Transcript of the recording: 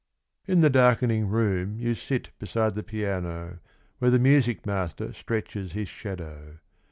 In the darkening room You sit beside the piano Where the music master Stretches his shadow.